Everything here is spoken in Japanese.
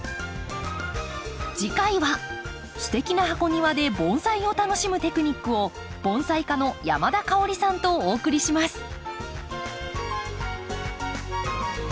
次回はステキな箱庭で盆栽を楽しむテクニックを盆栽家の山田香織さんとお送りします。